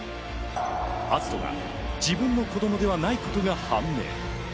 篤斗が自分の子供ではないことが判明。